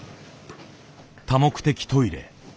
多目的トイレ。